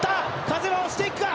風は押していくか。